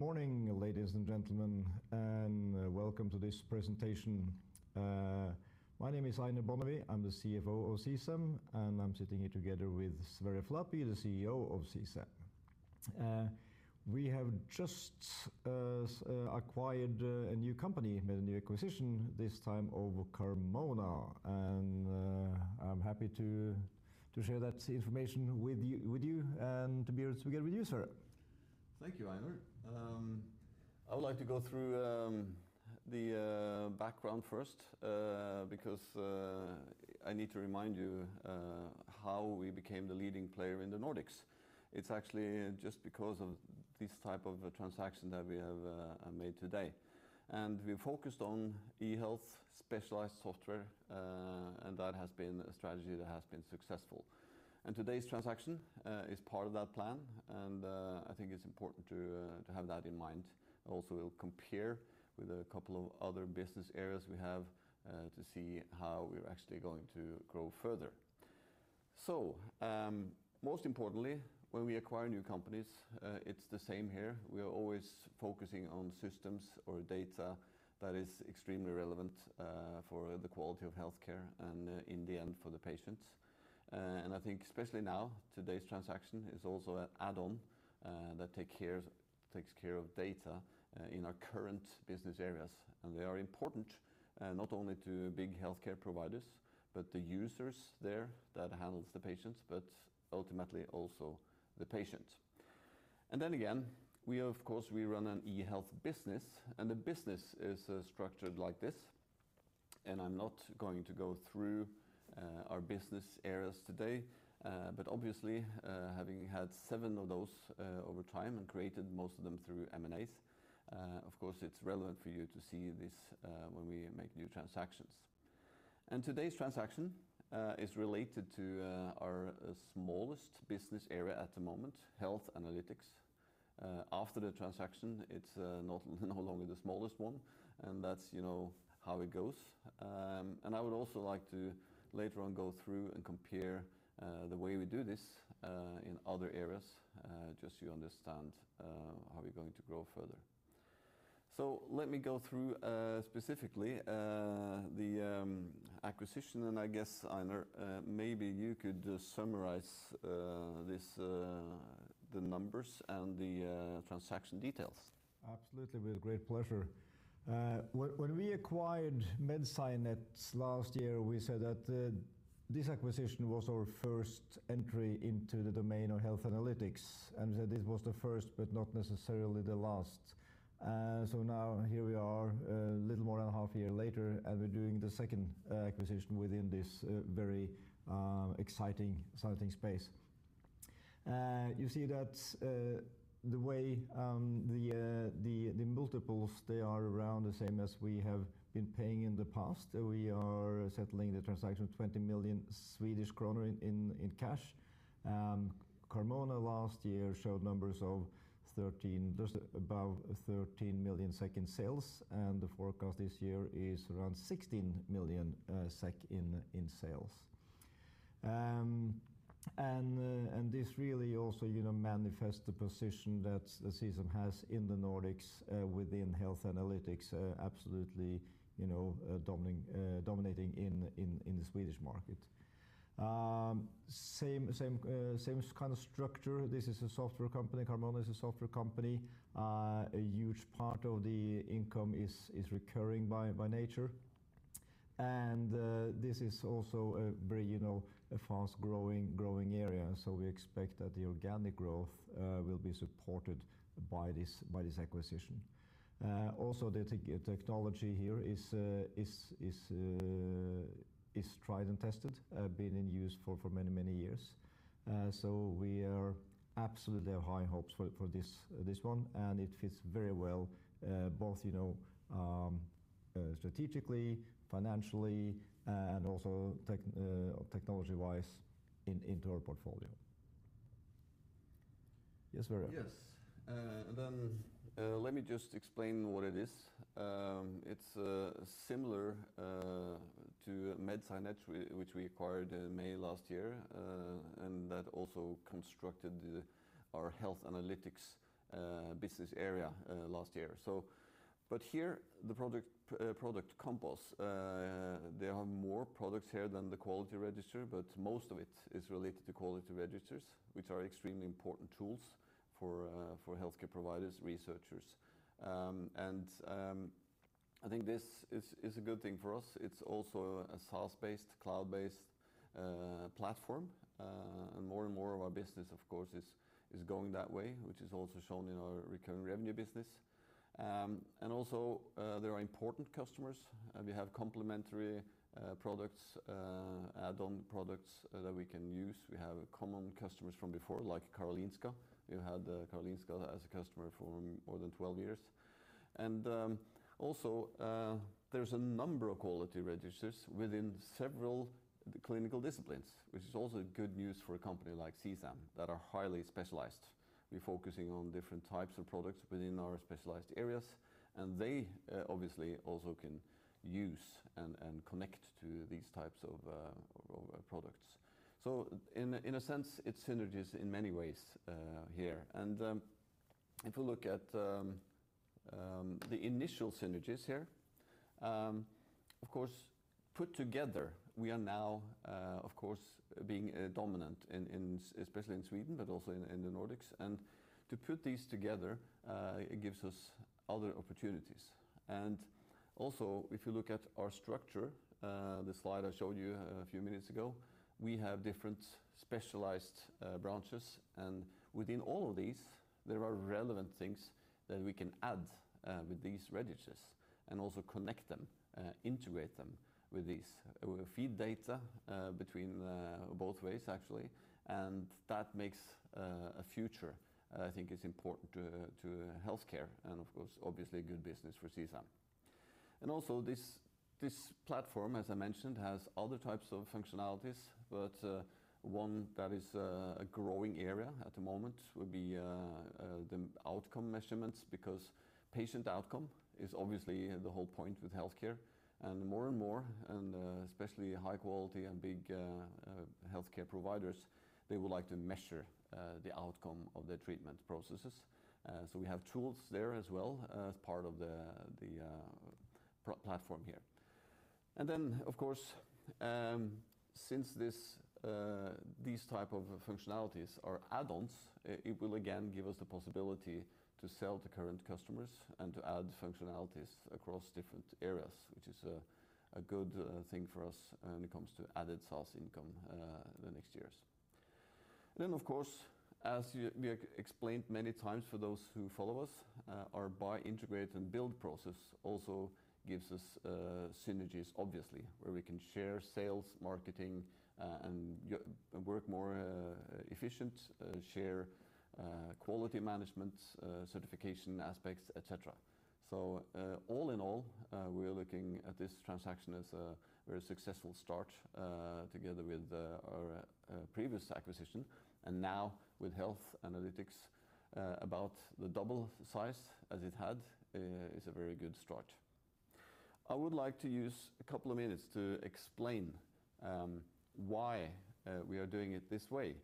Morning, ladies and gentlemen, and welcome to this presentation. My name is Einar Bonnevie. I'm the CFO of CSAM, and I'm sitting here together with Sverre Flatby, the CEO of CSAM. We have just acquired a new company, made a new acquisition this time over Carmona. I'm happy to share that information with you and to be here together with you, Sverre. Thank you, Einar. I would like to go through the background first, because I need to remind you how we became the leading player in the Nordics. It's actually just because of this type of a transaction that we have made today, and we focused on eHealth specialized software, and that has been a strategy that has been successful. Today's transaction is part of that plan, and I think it's important to have that in mind. Also, we'll compare with a couple of other business areas we have to see how we're actually going to grow further. Most importantly, when we acquire new companies, it's the same here. We are always focusing on systems or data that is extremely relevant, for the quality of healthcare and, in the end, for the patients. I think especially now, today's transaction is also an add-on, that takes care of data, in our current business areas, and they are important, not only to big healthcare providers, but the users there that handles the patients, but ultimately also the patient. Then again, we of course, we run an eHealth business, and the business is, structured like this. I'm not going to go through, our business areas today, but obviously, having had seven of those, over time and created most of them through M&As, of course, it's relevant for you to see this, when we make new transactions. Today's transaction is related to our smallest business area at the moment, Health Analytics. After the transaction, it's no longer the smallest one, and that's, you know, how it goes. I would also like to later on go through and compare the way we do this in other areas just so you understand how we're going to grow further. Let me go through specifically the acquisition, and I guess, Einar, maybe you could just summarize this, the numbers and the transaction details. Absolutely. With great pleasure. When we acquired MedSciNet last year, we said that this acquisition was our first entry into the domain of Health Analytics, and that this was the first, but not necessarily the last. Now here we are, a little more than half a year later, and we're doing the second acquisition within this very exciting space. You see that the way the multiples are around the same as we have been paying in the past. We are settling the transaction 20 million Swedish kronor in cash. Carmona last year showed numbers of just above 13 million SEK in sales, and the forecast this year is around 16 million SEK in sales. This really also, you know, manifests the position that CSAM has in the Nordics within Health Analytics, absolutely, you know, dominating in the Swedish market. Same kind of structure. This is a software company. Carmona is a software company. A huge part of the income is recurring by nature. This is also a very, you know, fast growing area. We expect that the organic growth will be supported by this acquisition. Also the technology here is tried and tested, been in use for many years. We are absolutely have high hopes for this one, and it fits very well, both you know, strategically, financially, and also technology-wise into our portfolio. Yes, Sverre. Yes. Let me just explain what it is. It's similar to MedSciNet which we acquired in May last year, and that also constructed our Health Analytics business area last year. But here the product composition, there are more products here than the quality registers, but most of it is related to quality registers, which are extremely important tools for healthcare providers, researchers. I think this is a good thing for us. It's also a SaaS-based, cloud-based platform. More and more of our business, of course, is going that way, which is also shown in our recurring revenue business. Also, there are important customers. We have complementary products, add-on products that we can use. We have common customers from before, like Karolinska. We've had Karolinska as a customer for more than 12 years. Also, there's a number of quality registers within several clinical disciplines, which is also good news for a company like CSAM that are highly specialized. We're focusing on different types of products within our specialized areas, and they obviously also can use and connect to these types of products. In a sense, it's synergies in many ways here. If you look at the initial synergies here, of course, put together we are now being dominant especially in Sweden, but also in the Nordics. To put these together, it gives us other opportunities. Also, if you look at our structure, the slide I showed you a few minutes ago, we have different specialized branches. Within all of these, there are relevant things that we can add with these registers and also connect them, integrate them with these. We feed data between both ways, actually, and that makes a future that I think is important to healthcare and of course, obviously a good business for CSAM. Also this platform, as I mentioned, has other types of functionalities, but one that is a growing area at the moment would be the outcome measurements, because patient outcome is obviously the whole point with healthcare and more and more, especially high quality and big healthcare providers, they would like to measure the outcome of their treatment processes. We have tools there as well as part of the platform here. Of course, since these type of functionalities are add-ons, it will again give us the possibility to sell to current customers and to add functionalities across different areas, which is a good thing for us when it comes to added SaaS income in the next years. Of course, we explained many times for those who follow us, our buy, integrate and build process also gives us synergies, obviously, where we can share sales, marketing, and work more efficient, share quality management, certification aspects, et cetera. All in all, we are looking at this transaction as a very successful start, together with our previous acquisition and now with Health Analytics, about the double size as it had, is a very good start. I would like to use a couple of minutes to explain why we are doing it this way,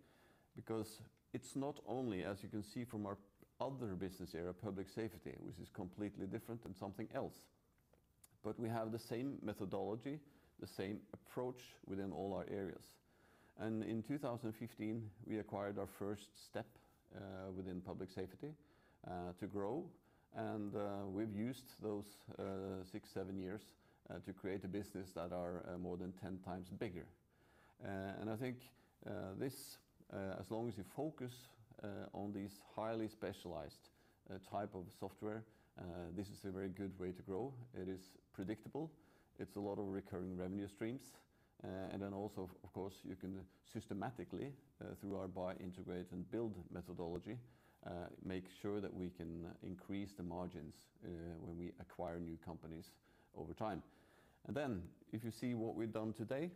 because it's not only, as you can see from our other business area, Public Safety, which is completely different and something else, but we have the same methodology, the same approach within all our areas. In 2015 we acquired our first step within public safety to grow. We've used those six, seven years to create a business that are more than 10 times bigger. I think this, as long as you focus on these highly specialized type of software, this is a very good way to grow. It is predictable. It's a lot of recurring revenue streams. Also, of course, you can systematically through our buy, integrate and build methodology make sure that we can increase the margins when we acquire new companies over time. If you see what we've done today,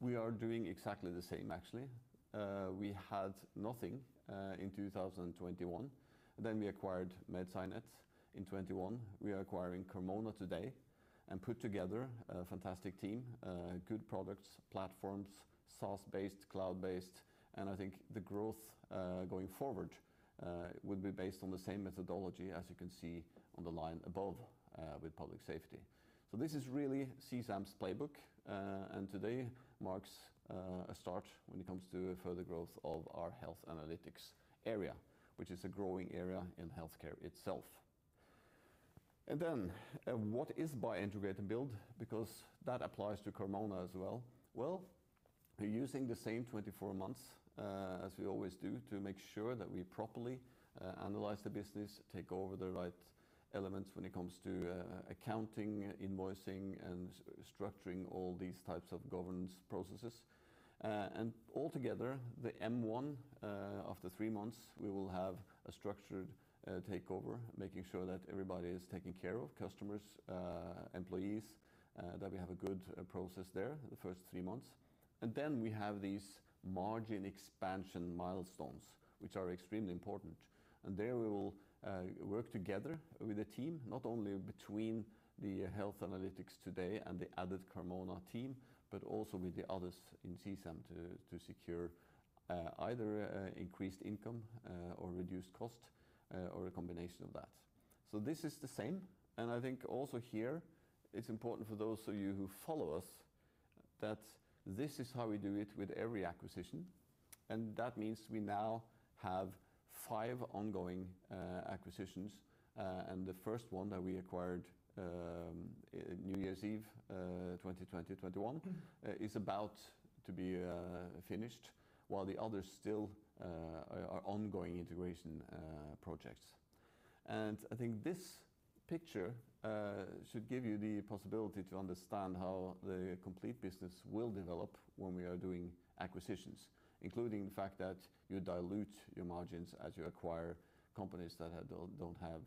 we are doing exactly the same actually. We had nothing in 2021. We acquired MedSciNet in 2021. We are acquiring Carmona today and put together a fantastic team, good products, platforms, SaaS based, cloud based, and I think the growth, going forward, will be based on the same methodology as you can see on the line above, with public safety. This is really CSAM's playbook. Today marks a start when it comes to further growth of our Health Analytics area, which is a growing area in healthcare itself. What is buy, integrate and build? Because that applies to Carmona as well. We're using the same 24 months as we always do to make sure that we properly analyze the business, take over the right elements when it comes to accounting, invoicing and structuring all these types of governance processes. Altogether the M&A one, after three months we will have a structured takeover, making sure that everybody is taken care of, customers, employees, that we have a good process there the first three months. Then we have these margin expansion milestones, which are extremely important. There we will work together with a team, not only between the Health Analytics today and the added Carmona team, but also with the others in CSAM to secure either increased income or reduced cost or a combination of that. This is the same. I think also here it's important for those of you who follow us that this is how we do it with every acquisition. That means we now have five ongoing acquisitions. The first one that we acquired, New Year's Eve, 2020-2021, is about to be finished while the others still are ongoing integration projects. I think this picture should give you the possibility to understand how the complete business will develop when we are doing acquisitions, including the fact that you dilute your margins as you acquire companies that don't have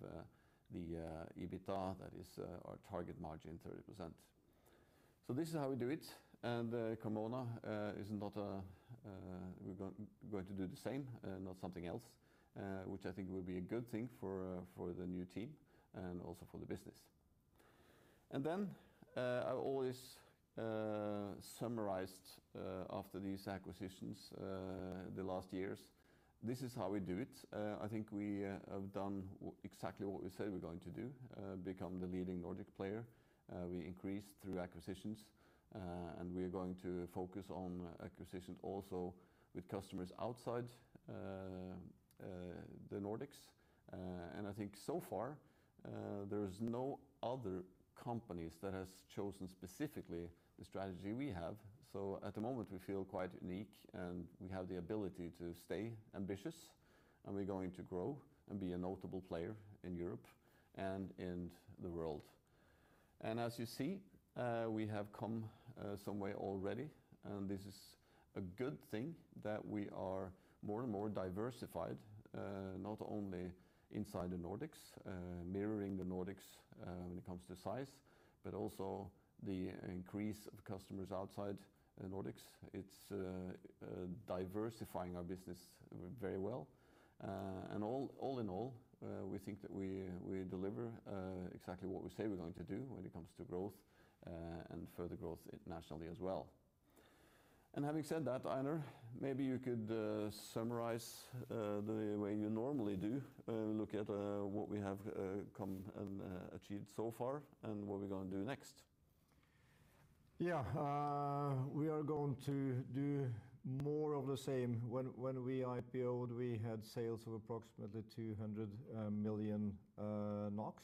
the EBITDA that is our target margin 30%. This is how we do it. Carmona, we're going to do the same, not something else, which I think will be a good thing for the new team and also for the business. I always summarized after these acquisitions the last years, this is how we do it. I think we have done exactly what we said we're going to do, become the leading Nordic player. We increased through acquisitions, and we're going to focus on acquisition also with customers outside the Nordics. I think so far, there is no other companies that has chosen specifically the strategy we have. At the moment, we feel quite unique, and we have the ability to stay ambitious, and we're going to grow and be a notable player in Europe and in the world. As you see, we have come somewhere already, and this is a good thing that we are more and more diversified, not only inside the Nordics, mirroring the Nordics, when it comes to size, but also the increase of customers outside the Nordics. It's diversifying our business very well. All in all, we think that we deliver exactly what we say we're going to do when it comes to growth, and further growth internationally as well. Having said that, Einar, maybe you could summarize the way you normally do look at what we have come and achieved so far and what we're gonna do next. We are going to do more of the same. When we IPO'd, we had sales of approximately 200 million NOK.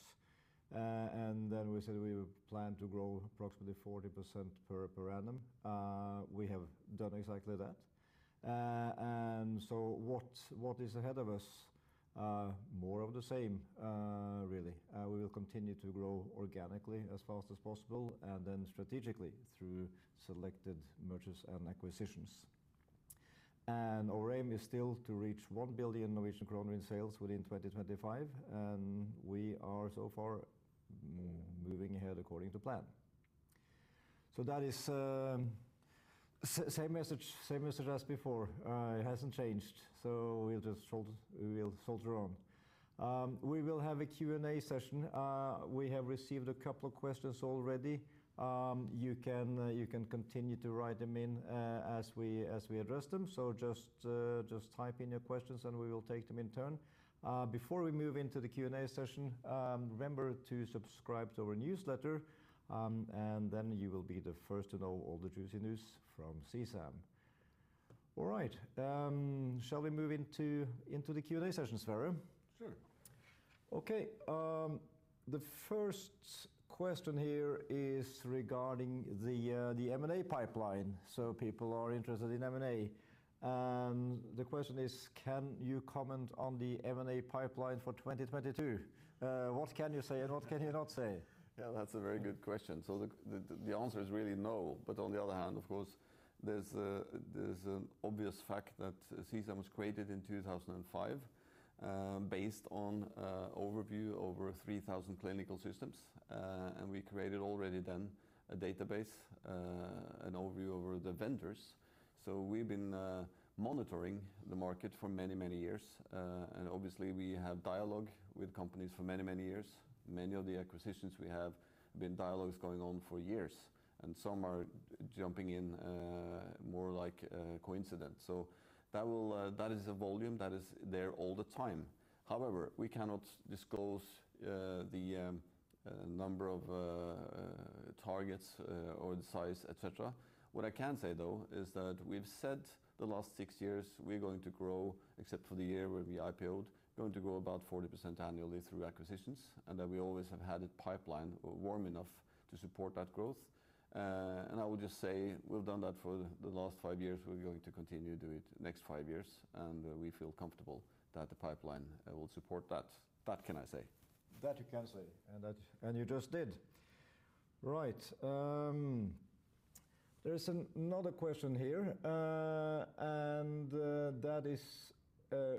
We said we plan to grow approximately 40% per annum. We have done exactly that. What is ahead of us? More of the same, really. We will continue to grow organically as fast as possible and then strategically through selected mergers and acquisitions. Our aim is still to reach 1 billion Norwegian kroner in sales within 2025, and we are so far moving ahead according to plan. That is same message as before. It hasn't changed, so we'll just soldier on. We will have a Q&A session. We have received a couple of questions already. You can continue to write them in as we address them. So just type in your questions, and we will take them in turn. Before we move into the Q&A session, remember to subscribe to our newsletter, and then you will be the first to know all the juicy news from CSAM. All right. Shall we move into the Q&A session, Sverre? Sure. Okay. The first question here is regarding the M&A pipeline. People are interested in M&A. The question is, can you comment on the M&A pipeline for 2022? What can you say and what can you not say? Yeah, that's a very good question. The answer is really no. On the other hand, of course, there's an obvious fact that CSAM was created in 2005, based on overview over 3,000 clinical systems. We created already then a database, an overview over the vendors. We've been monitoring the market for many, many years, and obviously we have dialogue with companies for many, many years. Many of the acquisitions we have been dialogues going on for years, and some are jumping in more like a coincidence. That is a volume that is there all the time. However, we cannot disclose the number of targets or the size, et cetera. What I can say, though, is that we've said the last six years we're going to grow, except for the year where we IPO'd, we're going to grow about 40% annually through acquisitions, and that we always have had a pipeline warm enough to support that growth. I will just say we've done that for the last five years. We're going to continue to do it next five years, and we feel comfortable that the pipeline will support that. That, I can say. That you can say. That you just did. Right. There is another question here, and that is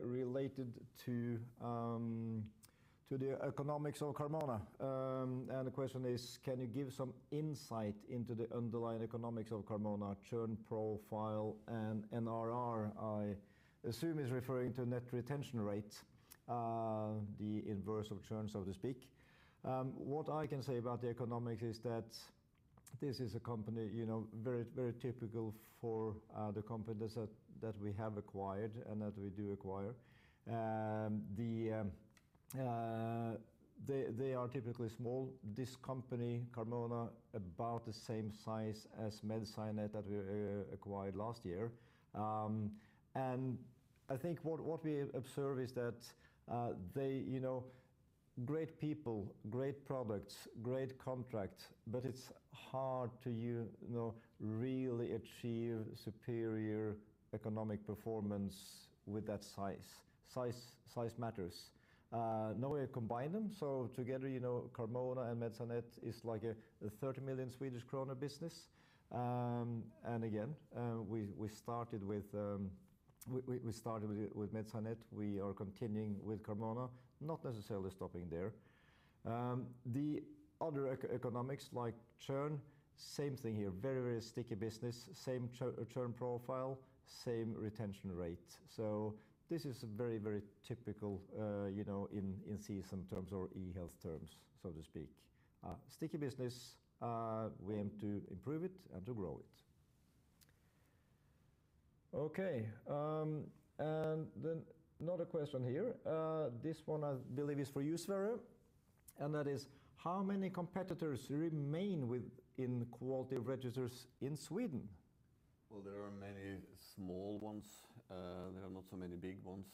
related to the economics of Carmona. The question is, can you give some insight into the underlying economics of Carmona churn profile and NRR, I assume, is referring to net retention rate, the inverse of churn, so to speak. What I can say about the economics is that this is a company, you know, very, very typical for the companies that we have acquired and that we do acquire. They are typically small. This company, Carmona, about the same size as MedSciNet that we acquired last year. I think what we observe is that they, you know, great people, great products, great contracts, but it's hard to, you know, really achieve superior economic performance with that size. Size matters. Now we combine them. Together, you know, Carmona and MedSciNet is like a SEK 30 million business. Again, we started with MedSciNet. We are continuing with Carmona, not necessarily stopping there. The other economics like churn, same thing here, very sticky business, same churn profile, same retention rate. This is very typical, you know, in CSAM terms or eHealth terms, so to speak. Sticky business, we aim to improve it and to grow it. Okay. Another question here, this one I believe is for you, Sverre, and that is, how many competitors remain in quality registers in Sweden? Well, there are many small ones. There are not so many big ones,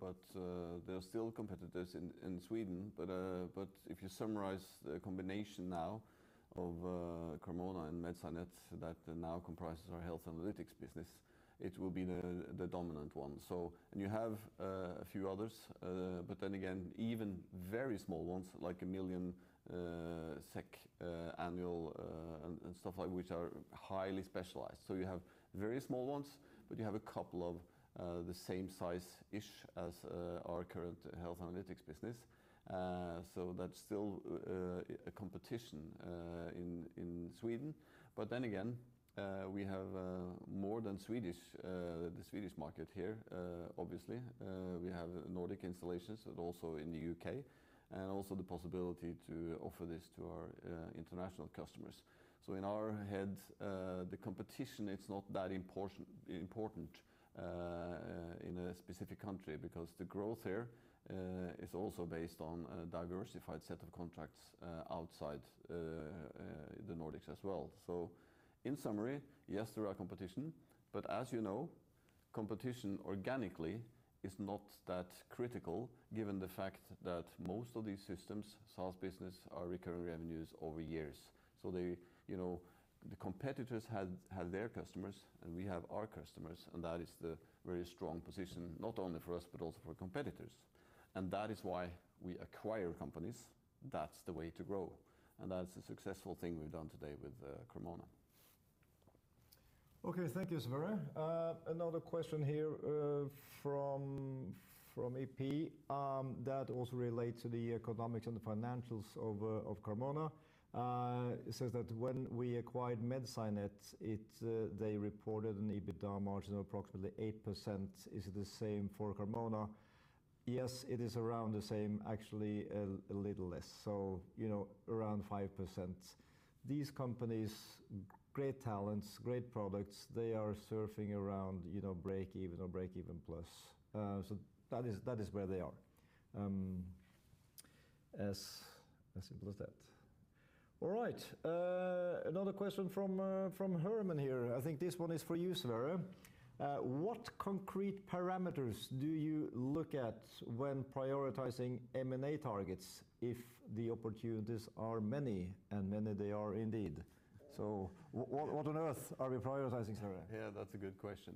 but if you summarize the combination now of Carmona and MedSciNet that now comprises our Health Analytics business, it will be the dominant one, so. You have a few others, but then again, even very small ones, like 1 million SEK annual and stuff like which are highly specialized. You have very small ones, but you have a couple of the same size-ish as our current Health Analytics business. That's still a competition in Sweden. We have more than the Swedish market here, obviously. We have Nordic installations and also in the U.K., and also the possibility to offer this to our international customers. In our heads, the competition, it's not that important in a specific country because the growth here is also based on a diversified set of contracts outside the Nordics as well. In summary, yes, there are competition, but as you know, competition organically is not that critical given the fact that most of these systems, SaaS business are recurring revenues over years. They, you know, the competitors have their customers, and we have our customers, and that is the very strong position, not only for us, but also for competitors. That is why we acquire companies. That's the way to grow, and that's the successful thing we've done today with Carmona. Okay. Thank you, Sverre. Another question here from EP that also relates to the economics and the financials of Carmona. It says that when we acquired MedSciNet, they reported an EBITDA margin of approximately 8%. Is it the same for Carmona? Yes, it is around the same, actually a little less, so you know, around 5%. These companies, great talents, great products, they are surfing around, you know, breakeven or breakeven plus. So that is where they are, as simple as that. All right. Another question from Herman here. I think this one is for you, Sverre. What concrete parameters do you look at when prioritizing M&A targets if the opportunities are many? Many they are indeed. So what on earth are we prioritizing, Sverre? Yeah, that's a good question.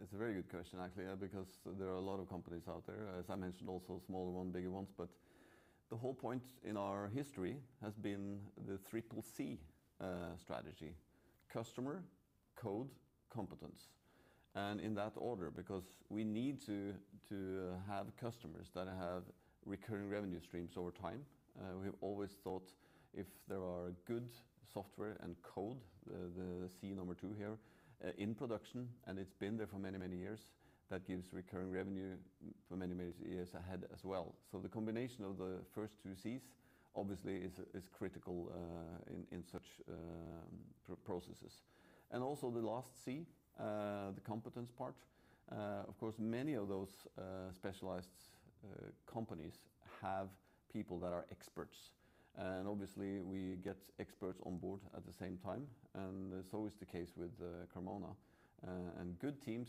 It's a very good question, actually, because there are a lot of companies out there, as I mentioned, also smaller ones, bigger ones. The whole point in our history has been the Triple C strategy, customer, code, competence. In that order, because we need to have customers that have recurring revenue streams over time. We have always thought if there are good software and code, the C number two here, in production, and it's been there for many years, that gives recurring revenue for many years ahead as well. The combination of the first two Cs obviously is critical in such processes. Also the last C, the competence part. Of course, many of those specialized companies have people that are experts, and obviously, we get experts on board at the same time, and that's always the case with Carmona. Good teams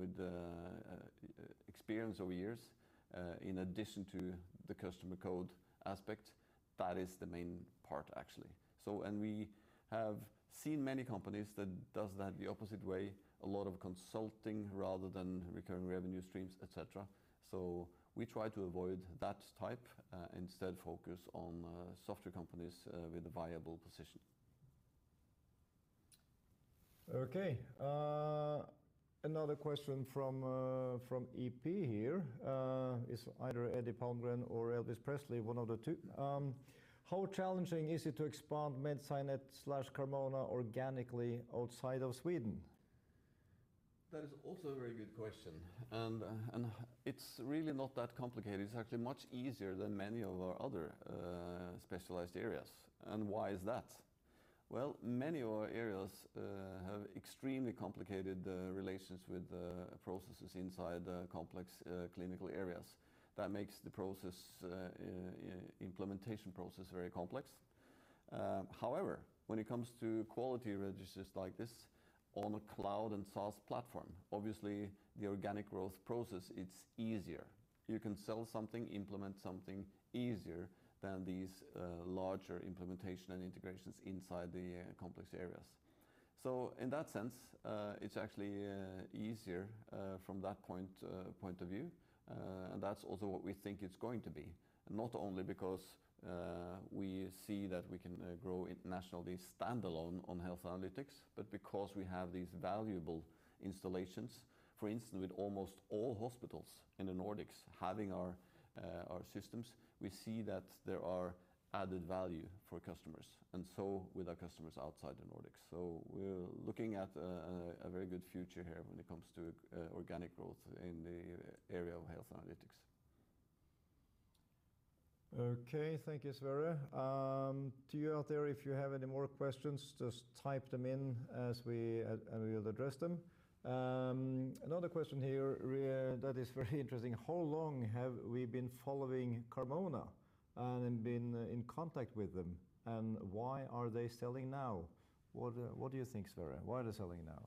with experience over years, in addition to the customer code aspect, that is the main part, actually. We have seen many companies that does that the opposite way, a lot of consulting rather than recurring revenue streams, et cetera. We try to avoid that type, instead focus on software companies with a viable position. Okay. Another question from EP here is either Eddie Palmgren or Elvis Presley, one of the two. How challenging is it to expand MedSciNet/Carmona organically outside of Sweden? That is also a very good question. It's really not that complicated. It's actually much easier than many of our other specialized areas. Why is that? Well, many of our areas have extremely complicated relations with processes inside the complex clinical areas. That makes the implementation process very complex. However, when it comes to quality registers like this on a cloud and SaaS platform, obviously the organic growth process, it's easier. You can sell something, implement something easier than these larger implementation and integrations inside the complex areas. In that sense, it's actually easier from that point of view. That's also what we think it's going to be, not only because we see that we can grow internationally standalone on Health Analytics, but because we have these valuable installations. For instance, with almost all hospitals in the Nordics having our systems, we see that there are added value for customers, and so with our customers outside the Nordics. We're looking at a very good future here when it comes to organic growth in the area of Health Analytics. Okay, thank you, Sverre. To you out there, if you have any more questions, just type them in, and we'll address them. Another question here that is very interesting. How long have we been following Carmona and been in contact with them, and why are they selling now? What do you think, Sverre? Why are they selling now?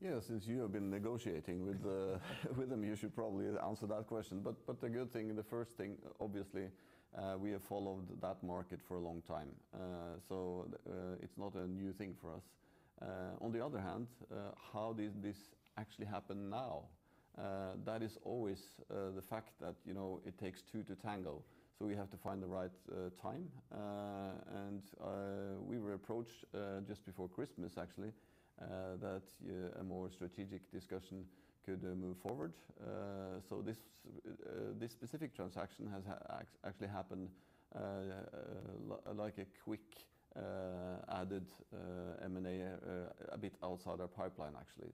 Yeah, since you have been negotiating with them, you should probably answer that question. The good thing and the first thing, obviously, we have followed that market for a long time, so, it's not a new thing for us. On the other hand, how did this actually happen now? That is always the fact that, you know, it takes two to tango, so we have to find the right time. We were approached just before Christmas actually, that a more strategic discussion could move forward. This specific transaction has actually happened like a quick added M&A a bit outside our pipeline, actually.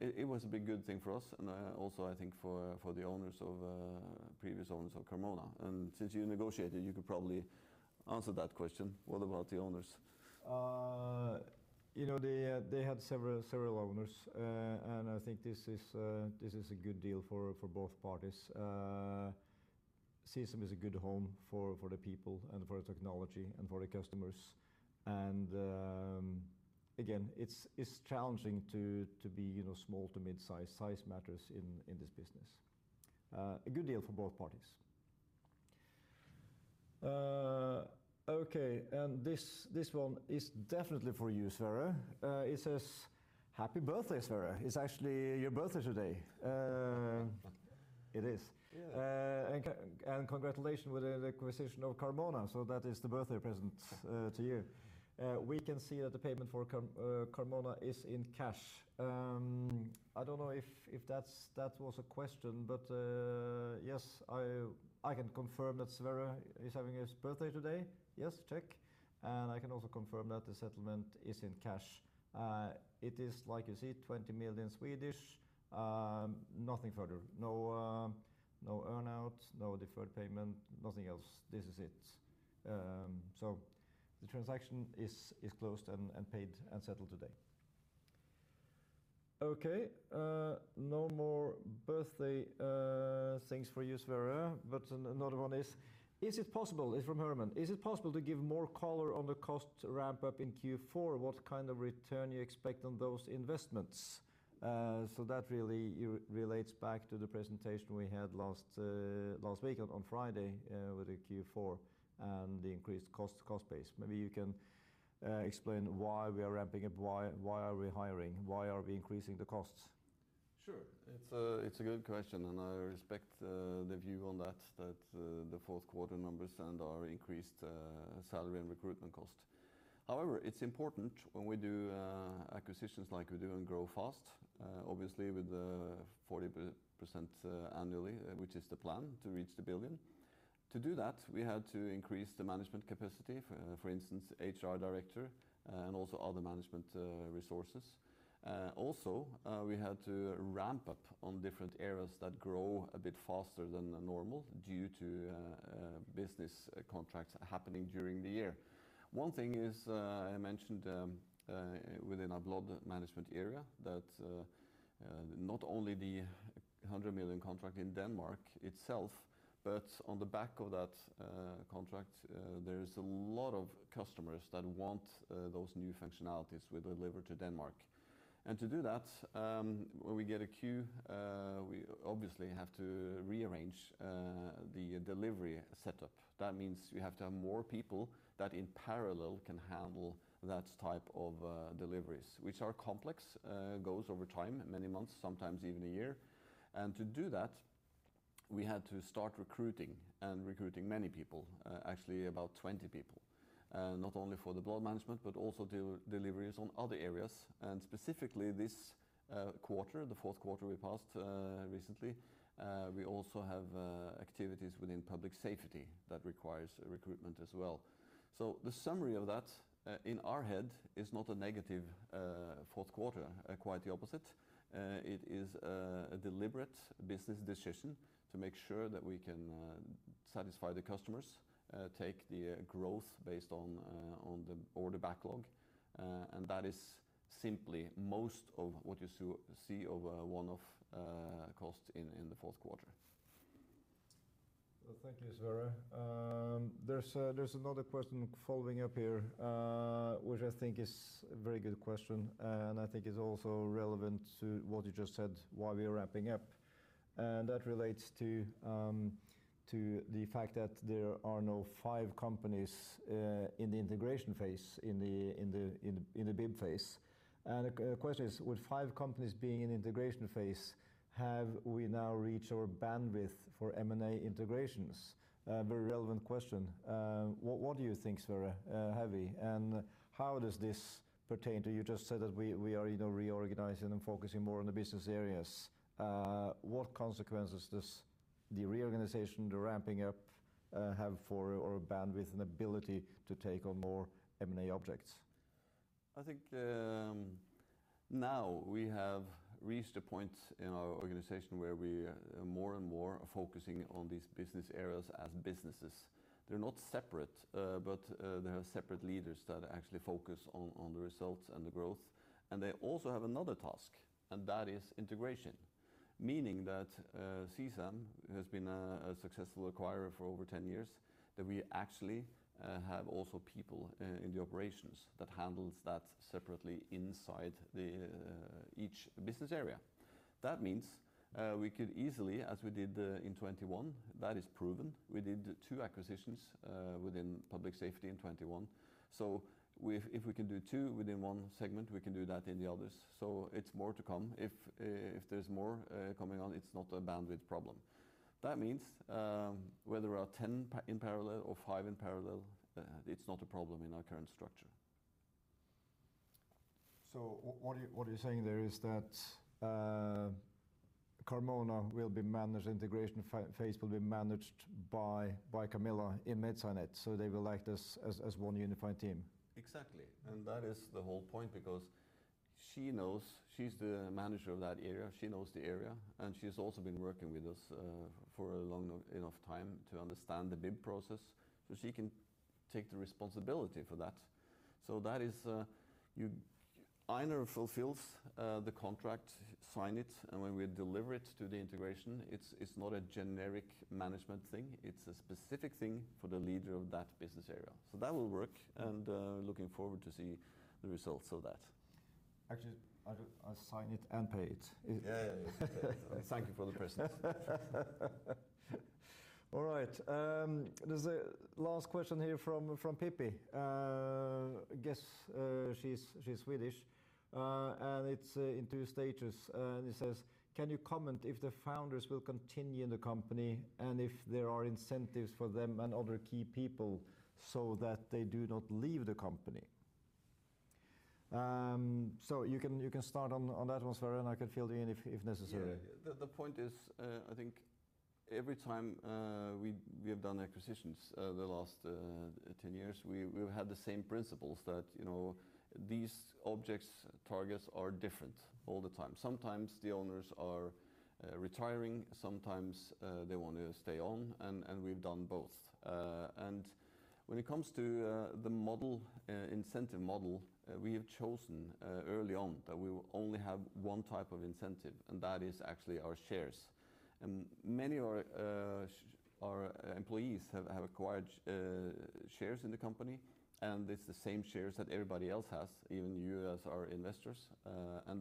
It was a big good thing for us, and also I think for the owners of previous owners of Carmona. Since you negotiated, you could probably answer that question. What about the owners? You know, they had several owners, and I think this is a good deal for both parties. CSAM is a good home for the people and for the technology and for the customers. Again, it's challenging to be, you know, small to mid-size. Size matters in this business. A good deal for both parties. Okay. This one is definitely for you, Sverre. It says, "Happy Birthday, Sverre." It's actually your birthday today. It is. Yeah. Congratulations with the acquisition of Carmona. That is the birthday present to you. We can see that the payment for Carmona is in cash. I don't know if that was a question, but yes, I can confirm that Sverre is having his birthday today. Yes, check. I can also confirm that the settlement is in cash. It is like you see, 20 million SEK, nothing further. No earn-out, no deferred payment, nothing else. This is it. The transaction is closed and paid and settled today. Okay, no more birthday things for you, Sverre. Another one is it possible. It's from Herman. Is it possible to give more color on the cost ramp-up in Q4? What kind of return you expect on those investments? That really relates back to the presentation we had last week on Friday with the Q4 and the increased cost base. Maybe you can explain why we are ramping up. Why are we hiring? Why are we increasing the costs? Sure. It's a good question, and I respect the view on that, the Q4 numbers and our increased salary and recruitment cost. However, it's important when we do acquisitions like we do and grow fast, obviously with the 40% annually, which is the plan to reach 1 billion. To do that, we had to increase the management capacity, for instance, HR director and also other management resources. Also, we had to ramp up on different areas that grow a bit faster than normal due to business contracts happening during the year. One thing is, I mentioned within our Blood Management area that not only the 100 million contract in Denmark itself, but on the back of that contract, there is a lot of customers that want those new functionalities we deliver to Denmark. To do that, when we get a queue, we obviously have to rearrange the delivery setup. That means we have to have more people that in parallel can handle that type of deliveries, which are complex, goes over time, many months, sometimes even a year. To do that, we had to start recruiting many people, actually about 20 people. Not only for the Blood Management, but also deliveries on other areas. Specifically this quarter, the Q4 we passed recently, we also have activities within public safety that requires recruitment as well. The summary of that in our head is not a negative Q4. Quite the opposite. It is a deliberate business decision to make sure that we can satisfy the customers, take the growth based on the order backlog. That is simply most of what you see of one-off costs in the Q4. Well, thank you, Sverre. There's another question following up here, which I think is a very good question, and I think it's also relevant to what you just said, why we are ramping up. That relates to the fact that there are now five companies in the integration phase, in the bid phase. A question is, with five companies being in integration phase, have we now reached our bandwidth for M&A integrations? Very relevant question. What do you think, Sverre? Have we? How does this pertain to. You just said that we are, you know, reorganizing and focusing more on the business areas. What consequences does the reorganization, the ramping up, have for our bandwidth and ability to take on more M&A objects? I think now we have reached a point in our organization where we are more and more focusing on these business areas as businesses. They're not separate, but they have separate leaders that actually focus on the results and the growth. They also have another task, and that is integration. Meaning that CSAM has been a successful acquirer for over 10 years, that we actually have also people in the operations that handles that separately inside each business area. That means we could easily, as we did in 2021, that is proven. We did two acquisitions within Public Safety in 2021. If we can do two within one segment, we can do that in the others. It's more to come. If there's more coming on, it's not a bandwidth problem. That means, whether there are 10 in parallel or five in parallel, it's not a problem in our current structure. What you're saying there is that integration phase will be managed by Camilla in MedSciNet, so they will act as one unified team. Exactly. That is the whole point because she knows she's the manager of that area, she knows the area, and she's also been working with us for a long enough time to understand the BIB process, so she can take the responsibility for that. Einar fulfills the contract, sign it, and when we deliver it to the integration, it's not a generic management thing, it's a specific thing for the leader of that business area. That will work, and looking forward to see the results of that. Actually, I do. I sign it and pay it. Yeah. Thank you for the presence. All right. There's a last question here from Pippi. I guess she's Swedish, and it's in two stages. It says, "Can you comment if the founders will continue in the company and if there are incentives for them and other key people so that they do not leave the company?" So you can start on that one, Sverre, and I can fill in if necessary. Yeah. The point is, I think every time we have done acquisitions over the last 10 years, we've had the same principles that, you know, these targets are different all the time. Sometimes the owners are retiring, sometimes they wanna stay on, and we've done both. When it comes to the model, incentive model, we have chosen early on that we will only have one type of incentive, and that is actually our shares. Many of our employees have acquired shares in the company, and it's the same shares that everybody else has, even you as our investors.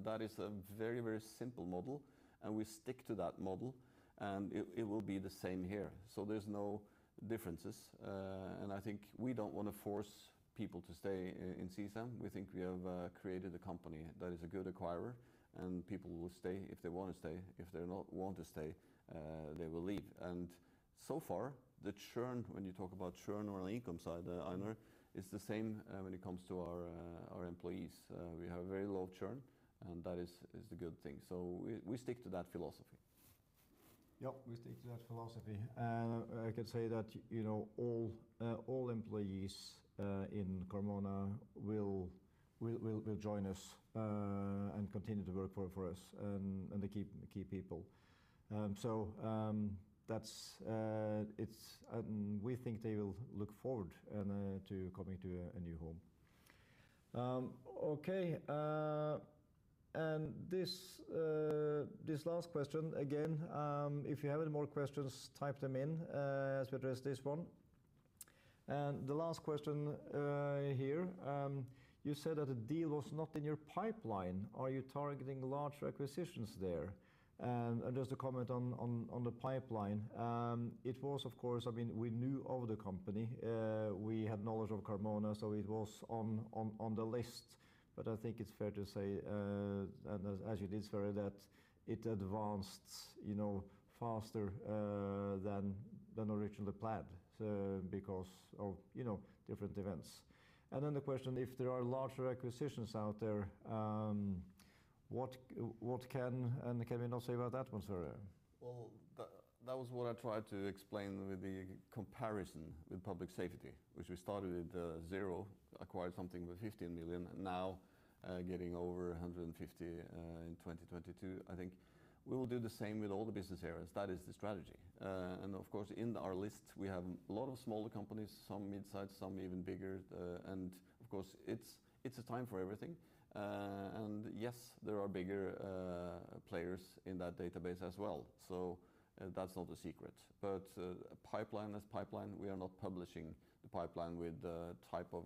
That is a very, very simple model, and we stick to that model, and it will be the same here. There's no differences. I think we don't wanna force people to stay in CSAM. We think we have created a company that is a good acquirer, and people will stay if they wanna stay. If they not want to stay, they will leave. So far, the churn, when you talk about churn on the income side, Einar, is the same when it comes to our our employees. We have a very low churn, and that is a good thing. We stick to that philosophy. Yep, we stick to that philosophy. I can say that, you know, all employees in Carmona will join us and continue to work for us and the key people. We think they will look forward to coming to a new home. Okay. This last question, again, if you have any more questions, type them in as we address this one. The last question here, you said that the deal was not in your pipeline. Are you targeting larger acquisitions there? Just a comment on the pipeline. It was of course, I mean, we knew of the company. We had knowledge of Carmona, so it was on the list. I think it's fair to say, and as you did, Sverre, that it advanced, you know, faster than originally planned because of, you know, different events. Then the question, if there are larger acquisitions out there, what can we not say about that one, Sverre? Well, that was what I tried to explain with the comparison with Public Safety, which we started at 0, acquired something with 15 million, now getting over 150 million in 2022. I think we will do the same with all the business areas. That is the strategy. Of course, in our list, we have a lot of smaller companies, some mid-size, some even bigger. Of course, it's a time for everything. Yes, there are bigger players in that database as well. That's not a secret. Pipeline is pipeline. We are not publishing the pipeline with the type of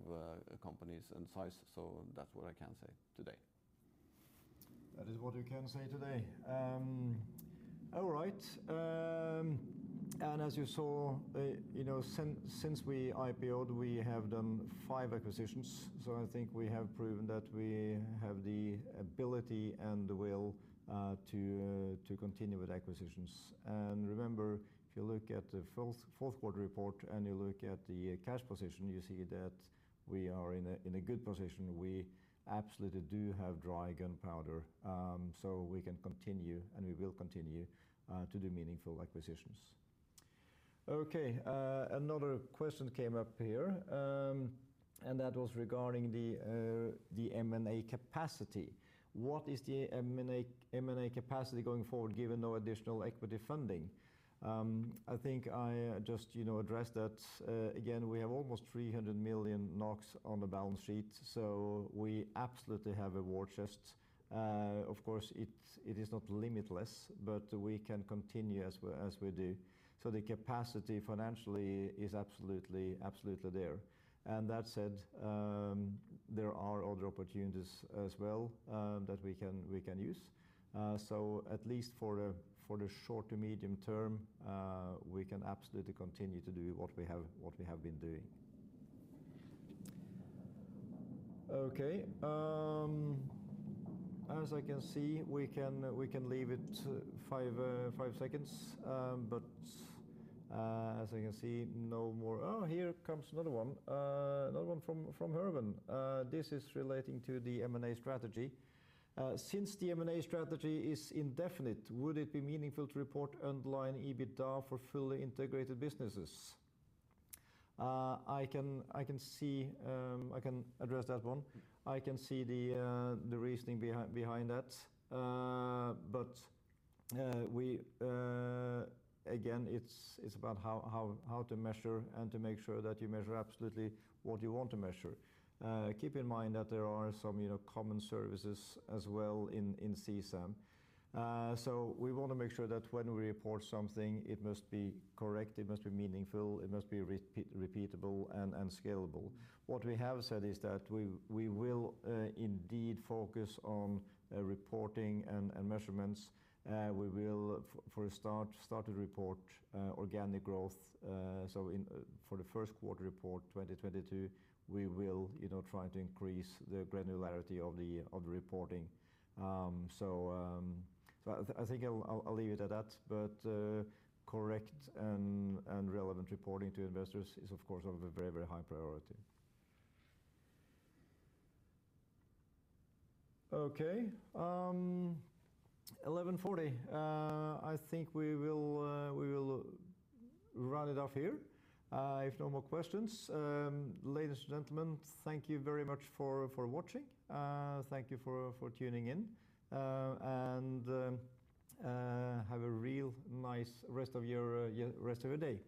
companies and size. That's what I can say today. That is what we can say today. All right. As you saw, you know, since we IPO'd, we have done five acquisitions. I think we have proven that we have the ability and the will to continue with acquisitions. Remember, if you look at the Q4 report and you look at the cash position, you see that we are in a good position. We absolutely do have dry gunpowder, so we can continue, and we will continue to do meaningful acquisitions. Okay. Another question came up here, and that was regarding the M&A capacity. What is the M&A capacity going forward, given no additional equity funding? I think I just, you know, addressed that. Again, we have almost 300 million NOK on the balance sheet, so we absolutely have a war chest. Of course, it is not limitless, but we can continue as we do. The capacity financially is absolutely there. That said, there are other opportunities as well that we can use. At least for the short to medium term, we can absolutely continue to do what we have been doing. Okay. As I can see, we can leave it five seconds. As I can see, no more. Oh, here comes another one. Another one from Herwin. This is relating to the M&A strategy. Since the M&A strategy is indefinite, would it be meaningful to report underlying EBITDA for fully integrated businesses? I can address that one. I can see the reasoning behind that. Again, it's about how to measure and to make sure that you measure absolutely what you want to measure. Keep in mind that there are some, you know, common services as well in CSAM. We wanna make sure that when we report something, it must be correct, it must be meaningful, it must be repeatable and scalable. What we have said is that we will indeed focus on reporting and measurements. We will, for a start to report organic growth. For the Q1 report, 2022, we will, you know, try to increase the granularity of the reporting. I think I'll leave it at that. Correct and relevant reporting to investors is, of course, of a very high priority. Okay. 11:40. I think we will round it off here if no more questions. Ladies and gentlemen, thank you very much for watching. Thank you for tuning in. Have a real nice rest of your day.